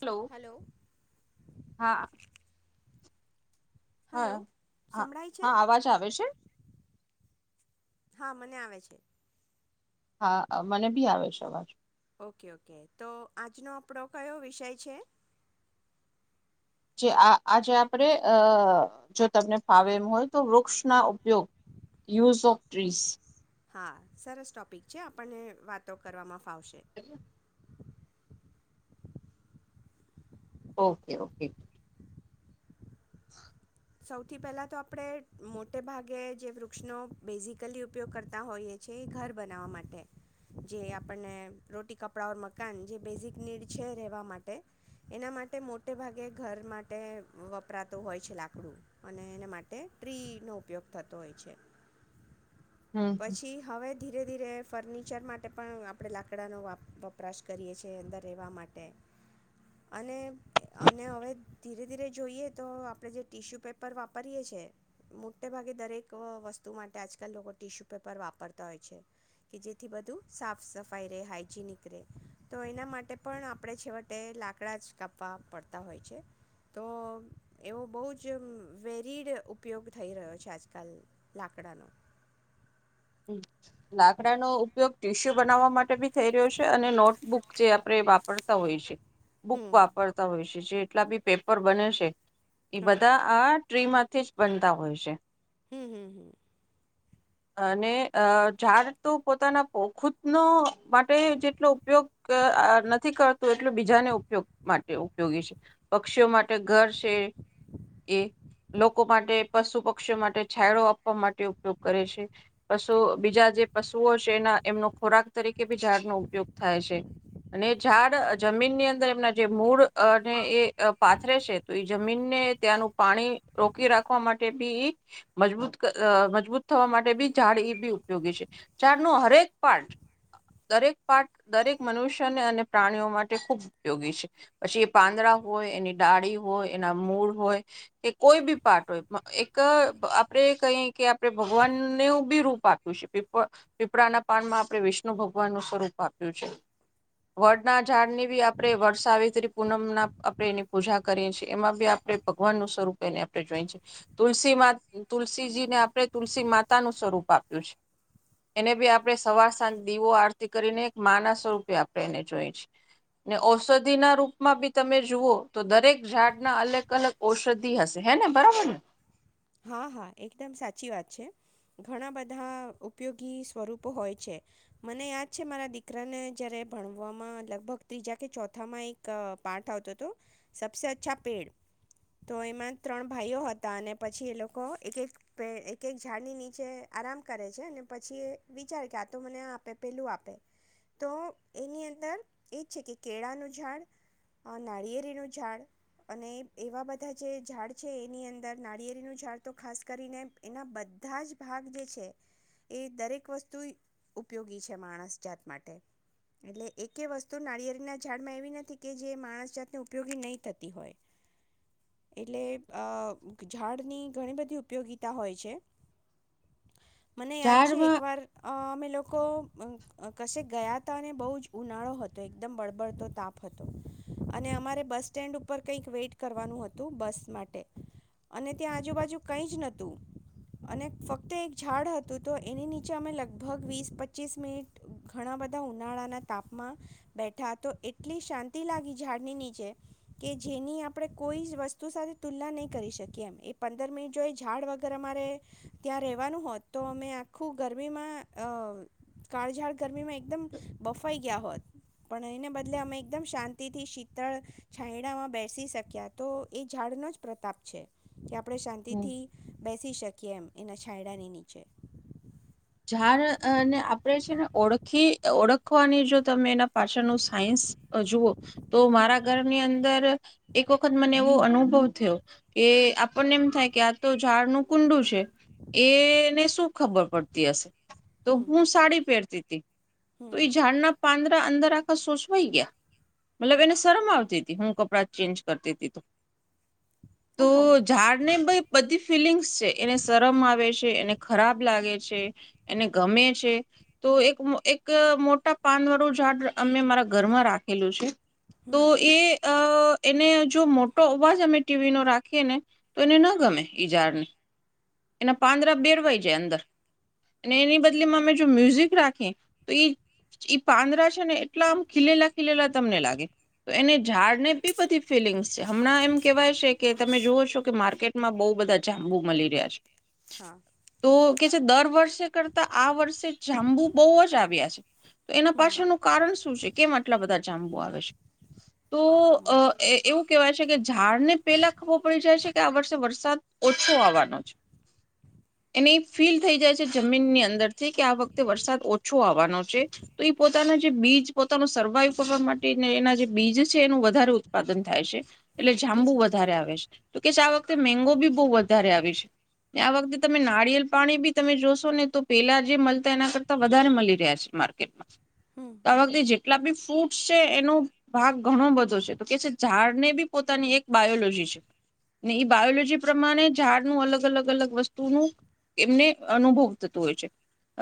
Hello હા. હા hello હા સંભળાય છે હા અવાજ આવે છે. હા મને આવે છે. હા મને બી આવે છે અવાજ. ઓકે ઓકે તો આજનો આપડો કયો વિષય છે. જે આ આજે આપણેે અ જો તમને ફાવે એમ હોય તો વૃક્ષ ના ઉપયોગ યુઝ ઓફ ટ્રીઝ. હા સરસ ટોપિક છે આપણને વાતો કરવામાં. ફાવશે. Okay okay. હ [unintelligible] સૌથી પહેલા તો આપણે મોટે ભાગે જે વૃક્ષનો બેઝિકલી ઉપયોગ કરતા હોઈએ છે એ ઘર બનાવવા માટે જે આપણને રોટી કપડાં ઓર મકાન જે બેઝિક નીડ છે રહેવા માટે એના માટે મોટે ભાગે ઘર માટે વપરાતું હોય છે લાગ. આપણું અને એના માટે ટ્રીનો ઉપયોગ થતો હોય છે. હમ પછી હવે. ધીરે ધીરે ફર્નિચર માટે પણ આપણે લાકડાનો વપરાશ કરીએ છીએ અંદર રહેવા માટે અને અને હવે ધીરે ધીરે જોઈએ તો આપણે જે. ટીશ્યુ પેપર વાપરીએ છીએ મોટે ભાગે દરેક વસ્તુ માટે આજકાલ લોકો ટિશ્યુ પેપર વાપરતા હોય છે કે જેથી બધું સાફ સફાઈ રહેે હાાઈજીનિક રહે તો એના માટે પણ આપણે છેવટે લાકડા જ કાપવા પડતા હોય છે તો એવો બહુ જ. જે વેરિડ ઉપયોગ થઈ રહ્યો છે આજકાલ લાકડાનો. લાકડાનોો ઉપયોગ ટીશ્યુ બનાવવા માટે ભી થઈ રહ્યો છે અને નોટબુક જે આપણે વાપરતા હોય છે. બુક હમ વાપરતા હોય છે જે. કેટલા બી પેપર બને છે. એ હા બધા આ ટ્રીમાંથી જ બનતા હોય છે. હમ્મ હમ્મ હમ્મ. અને અ ઝાડ તો પોતાના ખુદનો માટે જેટલો ઉપયોગ નથી કરતું એટલું બીજાને ઉપયોગ માટે ઉપયોગી છે પક્ષીઓ માટે ઘર છે એ લોકો માટે પશુ પક્ષીઓ માટે છાયડો આપવા માટે ઉપયોગ કરે છે પશુ બીજા જે પશુઓ છે એના એમનો ખોરાક તરીકે બી ઝાડનો ઉપયોગ થાય છે અને ઝાડ જમીનની અંદર એમના જે મૂળ અને એ પાથરે છે તો એ જમીનને ત્યાંનું પાણી રોકી રાખવા માટે ભી મજબૂત અ મજબૂત થવા માટે બી ઝાડ એ બી ઉપયોગી છે. ઝાડ ન હરેક પાર્ટ દરેક પાર્ટ દરેક મનુષ્યને અને પ્રાણીઓ માટે ખૂબ ઉપયોગી છે પછી એ પાંદડા હોય એની ડાળી હોય એના મૂળ હોય કે કોઈ બી પાર્ટ હોય એક આપણેે કહી કે આપણે ભગવાનનેવ બી રૂપ આપ્યું છે પીપ પીપળાના પાનમાં આપણે વિષ્ણુ ભગવાન નું સ્વરૂપ આપ્યું છે. વડના ઝાડ ની બી આપડે વર્ષ આવી ત પૂનમ ના આપણે એની પૂજા કરીએ છીએ એમાં બી આપણે ભગવાન નું સ્વરૂપ એને આપણે જોઈ છએ તુલસી માં તુલસીજીને આપણે તુલસી માતાનું સ્વરૂપ આપ્યું છે એને બી આપણે સવાર સાંજ દીવો આરતી કરીને એક માના સ્વરૂપે આપણે એને જોઈ છે ને ઔષધિના રૂપમાં બી તમે જુઓ તો દરેક ઝાડના અલગ અલગ ઔષધિ હશે હે ને બરાબર ને. હા હા એકદમ સાચી વાત છે ઘણા બધા ઉપયોગી સ્વરૂપો હોય છે મને યાદ છે મારા દીકરાને જયારે ભણવામાં લગભગ ત્રીજા કે ચોથામાં એક પાઠ આવતો હતો સબસે અચ્છા પેડ તો એમાં ત્રણ ભાઈઓ હતા અને પછી એ લોકો એક એક પે એક એક ઝાડની નીચે આરામ કરે છે અને પછી એ વિચારે કે આ તો મને આ આપે પહેલું આપે તો એની અંદર એ જ છે કે કેળાનું ઝાડ નાળિયેરીનું ઝાડ અને એવા બધા જે ઝાડ છે એની અંદર નાળિયેનું ઝાડ તો ખાસ કરીને એના બધા જ ભાગ જે છે એ દરેક વસ્તુ ઉપયોગી છે માણસ જાત માટે એટલે એક એ વસ્તુ નારિયેના ઝાડમાં એવી નથી કે જે માણસ જાતને ઉપયોગી નહી થતી હોય. એટલે અ ઝાડની ઘણી બધી ઉપયોગિતા હોય છે. મને યાદ છે ઝાડમાં એકવાર અ અમે લોકો કશે ગયા હતા અને બહુ જ ઉનાળો હતો એકદમ બળબડતો તાપ હતો અને અમારે બસ સ્ટેન્ડ ઉપર કઈક વેટ કરવાનું હતું બસ માટે. અને ત્યાં આજુબાજુ કંઈ જ નહોતું અને ફક્ત એક ઝાડ હતું તો એની નીચે અમે લગભગ વીસ પચીસ મિનિટ ઘણા બધા ઉનાળાના તાપમાં બેઠા તો એટલી શાંતિ લાગી ઝાડની નીચે કે જેની આપણે કોઈ જ વસ્તુ સાથે તુલના નહીં કરી શકી એ. કેમ એ પંદર મિનિટ જો એ ઝાડ વગર અમારે ત્યાં રહેવાનું હોત તો અમે આખું ગરમીમાં કાળઝાડ ગરમીમાં એકદમ બફાઈ ગયા હોત પણ એને બદલે અમે એકદમ શાંતિથી શીતળ છાંયડામાં બેસી શક્યા તો એ ઝાડનો જ પ્રતાપ છે. [unintelligible] આપણે હમ. શાંતિથી બેસી શકીએ. કેમ એના છાયડાને નીચે. ઝાડને આપણેે છે ને ઓળખી ઓળખવાની જો તમે એના પાછળનું સાયન્સ જુવઓ તો હમ મારા ઘરની અંદર એક વખત મને એવો અનુભવ થ્યો કે આપણને એમ થાય કે આ તો ઝાડનું કુંડું છે એ ને શું ખબર પડ તી હશ. તો હમ હું સાડી પેર તી તી. હમ તો ઈ ઝારના પાંદડા અંદર આખા સોસવાઈ ગ્યા મતલબ એને શરમ આવતી તી હું કપડાં ચેન્જ કરતી તી તો. તો ઓહો ઝાડ ને ભઈ બધી ફિલિંગ્સ છે એને શરમ આવે શે. કે એને ખરાબ લાગે છે એને ગમે છે તો એક મુ એક મોટા પાન વાળું ઝાડ અમે મારા ઘરમાં રાખેલું છે. તો હમ એ અ એને જો મોટો અવાજ અમે ટી વી નો રાખીએ ને તો એને ન ગમે ઈ ઝાડને એના પાંદરા બેરવાઈ જાય અંદર. અને એની બદલીમાં અમે જો મ્યુઝિક રાખી તો ઈ ઈ પાંદરા છે ને એટલા આમ ખીલેલા ખીલેલા તમને લાગે તો એને ઝાડને બી બધી ફીલિંગ્સ છે હમણાં એમ કેહેવાય છે કે તમે જુઓ છો કે માર્કેટમાં બહુ બધા જાંબુ મલી રહ્યા છે. હા. તો કે જે દર વર્ષે કરતા આ વર્ષે જાંબુ બોવજ આવ્યા છે. તો એના હમ પાશળ નું કારણ શું છે. કેમ આટલા બધા જાંબુ આવે છે? તો હમ અ એ એવું કેવાય છે કે ઝાડને પેલા ખબર પડી જાય છે કે આ વર્ષે વરસાદ ઓછો આવવાનો છે. એની ફીલ થઈ જાય છે જમીનની અંદર થી કે આ વખતે વરસાદ ઓછો આવાનો છે તો એ પોતાના જે બીજ પોતાનું સર્વાઈવ કરવા માટે એના એના જે બીજ છે એનું વધારે ઉત્પાદન થાય છે એટલે જાંબુ વધારે આવે છે તો કે છ આ વખતે મેંગો બી બહુ વધારે આવી છે. ને આ વખતે તમે નારિયેલ પાણી બી તમે જોશો ને તો પેલા જે મલતા એના કરતા વધારે મલી રહ્યા છે માર્કેટમાં હમ તો આ હમ વખતે જેટલા બી ફૂટ શે એનું ભાગ ઘણો બધો છે તો કે છે ઝાડ ને બી પોતાની એક બાયોલોજી છે ને ઈ બાયોલોજી પ્રમાણે ઝાડનું અલગ અલગ અલગ વસ્તુનું એમને અનુભવ થતું હોય છે.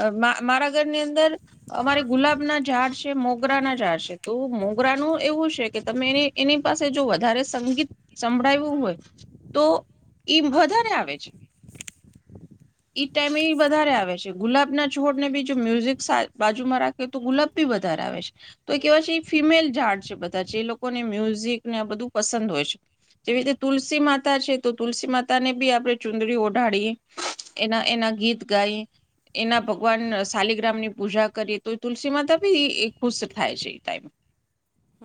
અ મા મારા ઘરની અંદર અમારે ગુલાબના ઝાડ છે મોગરા ના ઝાડ છે તો મોગરાનું એવું છે કે તમે એને એની પાસે જો વધારે સંગીત સંભળાઈવું હોય તો એ ઇમ વધારે આવે છે. ઈ ટાઈમ એ વધારે આવે છે ગુલાબના છોડને બીજું મ્યુઝિક સા-બાજુમાં રાખે તો ગુલાબ બી વધારે આવે છે તો કેવાય છે એ ફિમેલ ઝાડ છે બધા જે એ લોકોને મ્યુઝિક ને આ બધું પસંદ હોય છે જેવી રીતે તુલસી માતા છે તો તુલસી માતા ને બી આપણે ચુંદડી ઓઢાડીએ એના એના ગીત ગાઈએ એના ભગવાન શલીગ્રામની પૂજા કરીએ તો એ તુલસી માતા બી એ ખુશ થાય છે એ ટાઈમ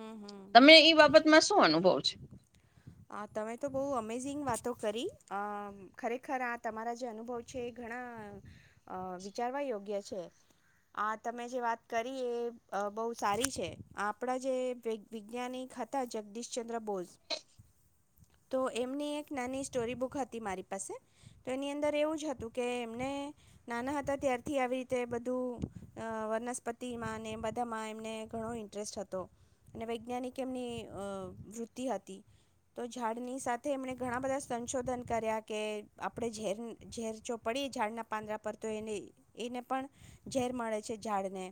હમ હમ તમે ઈ બાબતમાં શું અનુ બૌ છે આ તમે તો બૌઉ અમેઝિંગ વાતો કરી અમ ખરેખર આ તમારા જે અનુભવ છે એ ઘણા અ વિચારવા યોગ્ય છે આ તમે જે વાત કરી એ અ બૌ સારી છે આપડા જે વેગ-વિજ્ઞાનિક હતા જગદીશ ચંદ્ર બોઝ [inaudible] તો એમની એક નાની સ્ટોરી બુક હતી મારી પાસે તો એની અંદર એવું જ હતું કે એમને નાના હતા ત્યારથી આવી રીતે બધું અ વનસ્પતિમાં ને બધામાં એમને ઘણો ઇન્ટરેસ્ટ હતો અને વૈજ્ઞાનિક એમની અ વૃત્તિ હતી. તો ઝાડની સાથે એમને ઘણા બધા સંશોધન કર્યા કે આપણે ઝેર ઝેર જો પડી ઝાડના પાંદડા પર તો એને એને પણ ઝેર મળે છે ઝાડ ને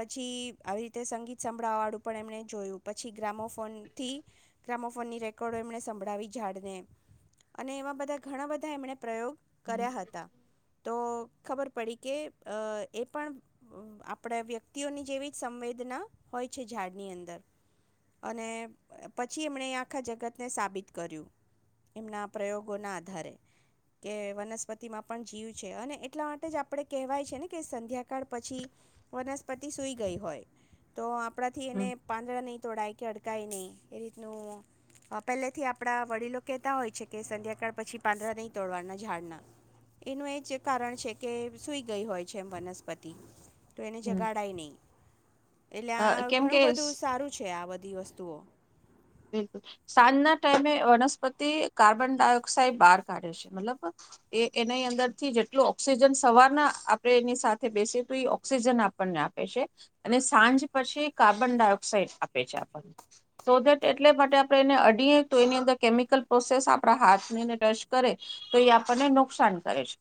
પછી આવી રીતે સંગીત સંભળાવવાળું પણ એમને જોયું પછી ગ્રામોફોન થી ગ્રામોફોનની રેકોર્ડો એમણે સંભળાવી ઝાડને અને એવા બધા ઘણા બધા એમણે પ્રયોગ કર્યા હતા તો ખબર પડી કે અ એ પણ અહ આપડા વ્યક્તિઓની જેવી જ સંવેદના હોય છે ઝાડની અંદર અને પ છી એમણે આખા જગતને સાબિત કર્યું એમના પ્રયોગોના આધારે કે વનસ્પતિમાં પણ જીવ છે અને એટલા માટે જ આપણે કહેવાય છે ને કે સંધ્યાકાળ પછી વનસ્પતિ સૂઈ ગઈ હોય તો આપ આપડાથી એને હમ પાંદડા નહીં તોડાય કે અડ કાય નઈ એ રીતનું અ પેલેથી આપણા વડીલો કહેતા હોય છે કે સંધ્યાકાળ પછી પાંદડા નહીં તોડવાના ઝાડના એનું એ જ કારણ છે કે સુૂઈ ગઈ હોય છે એમ વનસ્પતિ તો એને હમ. જગાડાય નઈ એટલે અ આ કેમ કે ઘણું બધું સારું છે આ બધ ધી વસ્તુઓ બિલકુલ સાંજના ટાઈમે વનસ્પતિ કાર્બન ડાયોક્સાઇડ બહાર કાઢે છે મતલબ એ એનીની અંદરથી જેટલું ઓક્સિજન સવારના આપણે એની સાથે બેસીએ તો એ ઓક્સિજન આપણને આપે છે અને સાંજ પછી કાર્બન ડાયોક્સાાઈડ આપે છે આપણને સોેટ એટલે માટે આપણે એને અડીએ તો એની અંદર કેમિકલ પ્રોસેસ આપણા હાથનીંદ ટચ કરે તો એ આપણને નુકસાન કરે છે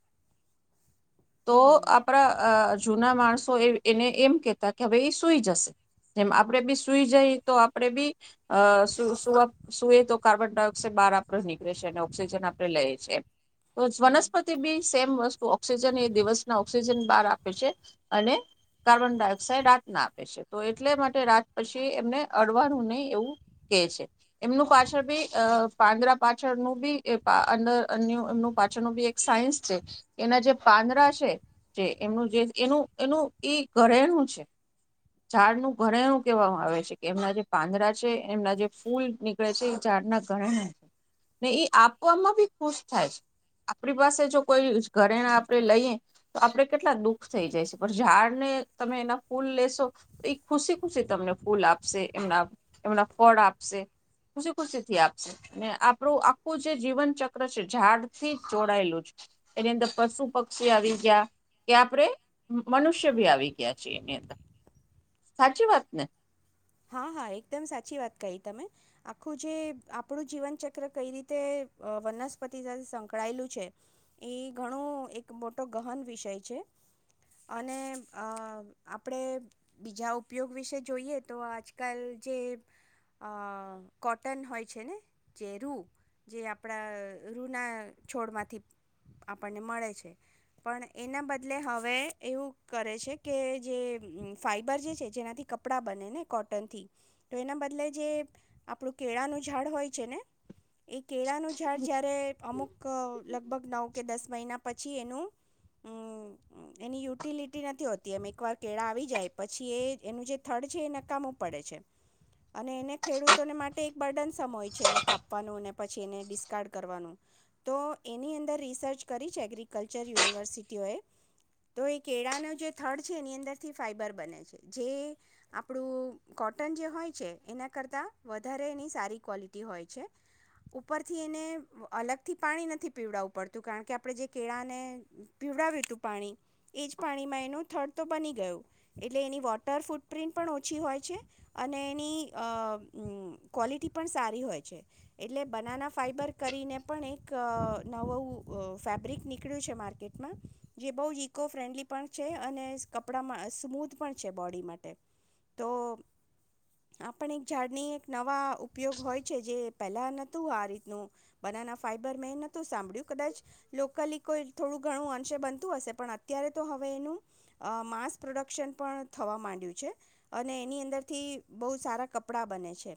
તો હમ આપણા જૂના માણસો એ એને એમ કેતા કે હવે એ સુઈ જશે જેમ આપડે બી સુઈ જઈ તો આપણેે બી અ સુએ તો કાર્બન ડાયોક્સાઇડ બહાર આપડ નીકળે છે અને ઓક્સિજન આપડણે લઈએ છીએ હમ વનસ્પતિ બી સેમ વસ્તુ ઓક્સિજન એ દિવસના ઓક્સિજન બહાર આપે છે અને કાર્બન ડાયોક્સાઇડ રાતના આપે છે તો એટલે માટે રાત પછી એમને અડવાનું નહીિ એવું કે છે એમનું પાછળ બી પાંદરા પાછળનું બી અંદર અન્ય એમનું પાછળનું બી એક સાયન્સ છે એના જે પાંદડાછે જે એમનું જે એનું એનું ઈ ઘરેણું છે ઝાડનું ઘરેણું કહેવામાં આવે છે કે એમના જે પાંદરા એમના જે ફૂલ નીકળે છે એ ઝાડના ઘરેણા છે ને એ આપવામાં બી ખુશ થાય છે આપણી પાસે જો કોઈ ઘરેણા આપણે લઈએ તો આપડણે કેટલા દુખ થઈ જાય છે પણ ઝાડ ને તમે એના ફૂલ લેશો એ ખુશી ખુશી તમને ફૂલ આપશે એમના એમના ફળ આપશે ખુશી ખુશી થી આપશે આપણું આખું જે જીવન ચક્ર છે ઝાડથી જોડાયેલું છે એની અંદર પશુ પક્ષી આવી ગયા કે આપણે મનુષ્ય ભી આવી ગયા છેી એની અંદર સાચી વાત ને હા હા એકદમ સાચી વાત કહી તમે આખું જે આપણું જીવનચક્ર કઈ રીતે વનસ્પતિ સાથે સંકળાયેલું છે એ ઘણું એક મોટો ગહન વિષય છે અને આપણે બીજા ઉપયોગ વિશે જોઈએ તો આજકાલ જે કોટન હોય છે ને જે રૂ જે આપણા રૂના છોડમાંથી આપણને મળે છે પણ એના બદલે હવે એવું કરે છે કે જે ફાઈબર જે છે જેનાથી કપડાં બને ને કોટથી તો એના બદલે જે આપણું કેળાનું ઝાડ હોય છે ને એ કેળાનું ઝાડ જ્યારે અમુક લગભગ નવ કે દસ મહિના પછી એનું હમ એની યુટિલિટી નથી હોતી એમ એકવાર કેળા આવી જાય પછી એ એનું જે થડ છે એ કામું પડે છે અને એને ખેડૂતોને માટે એક બર્ડનસ હોય છે એને કાપવાનું અને પછી એને ડિસ્કાર્ડ કરવાનું તો એની અંદર રિસર્ચ કરી છે એગ્રીકલ્ચર યુનિવર્સિટીઓએ તો એ કેળાનો જે થડ છે એની અંદરથી ફાઈબર બને છે જે આપ આપણું કોટન જે હોય છે એના કરતાં વધારે એની સારી ક્વૉલિટી હોય છે ઉપરથી એને અલગથી પાણી નથી પીવડાવવું પડતું કારણ કે આપણે જે કેળાને પીવડાવ્યું હતું પાણી એ જ પાણીમાં એનું થર્ડ તો બની ગયું એટલે એની વોટર ફૂટપ્રિન્ટ પણ ઓછી હોય છે અને એની ક્વૉલિટી પણ સારી હોય છે એટલે બનાના ફાઈબર કરીને પણ એક નવુંું ફેબ્રિક નીકળ્યું છે માર્કેટમાં જે બહુ જ ઇકો ફ્રેન્ડલી પણ છે અને કપડામાં સ્મૂધ પણ છે બોડી માટે તો આપણ એક ઝાડની એક નવા ઉપયોગ હોય છે જે પહેલા નહોતું આ રીતનું બનાના ફાઈબર મે નોતું સાંભળ્યું કદાચ લોકલી કોઈ થોડું ઘણું અંશે બનતું હશે પણ અત્યારે તો હવે એનું માસ પ્રોડક્શન પણ થવા માંડ્યું છે અને એની અંદરથી બહુ સારા કપડાં બને છે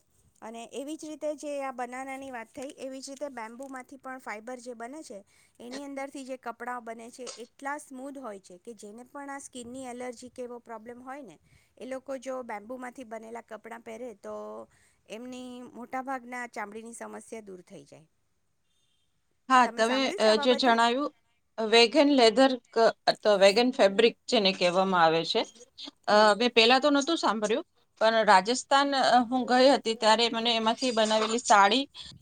અને એવી જ રીતે જે આ બનાવનાની વાત થઈ એવી જ રીતે બેમ્બુમાંથી પણ ફાઈબર જે બને છે એની અંદર થી જે કપડા બ છે એટલા સ્મૂધ હોય છે કે જેને પણ આ સ્કીિનની એલર્જી કે એવો પ્રોબ્લેમ હોય ને એ લોકો જો બેમ્બુમાંથી બનેલા કપડા પહેરે તો એમની મોટા ભાગના ચામડીની સમસ્યા દૂર થઈ જાય હા તમે સાંભળ્યું છે આ જે બાબતે જણાવ્યું વેગન લેધર અ વેગન ફેબ્રિક જેને કહેવામાં આવે છે અ હા મે પેલા તો નથી ું સાંભળ્યું પણ રાજસ્થાન હું ગઈ હતી ત્યારે મને એમાંથી બનાવેલી સાડી